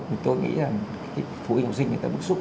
thì tôi nghĩ là phụ học sinh người ta bức xúc